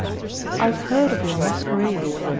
'I have heard of your masquerade.